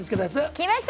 きました！